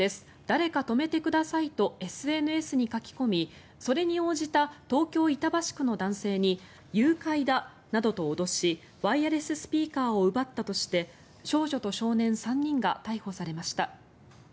誰か泊めてくださいとＳＮＳに書き込みそれに応じた東京・板橋区の男性に誘拐だなどと脅しワイヤレススピーカーを奪ったとして少女と少年３人が逮捕されました。